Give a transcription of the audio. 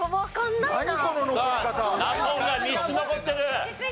難問が３つ残ってる。